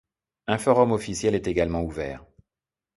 Un forum officiel est également ouvert.